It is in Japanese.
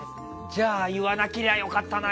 じゃあ言わなけりゃ良かったな。